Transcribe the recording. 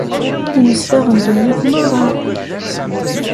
Imezdaɣ n ddunit merra.